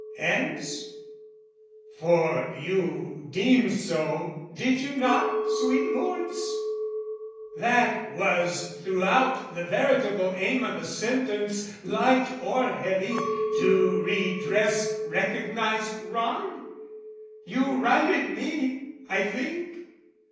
Ends? for you deemed so, did you not, sweet lords? That was throughout the veritable aim O' the sentence light or heavy, to redress Recognised wrong? You righted me, I think?